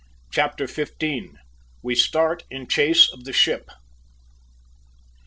CHAPTER FIFTEEN. WE START IN CHASE OF THE SHIP.